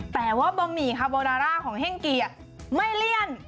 แต่ว่าบ่มีคาร์โบนาร่าของเฮ่งกียังไม่เลี่ยน